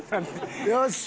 よし！